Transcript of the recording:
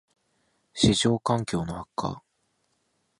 ① 市場環境の悪化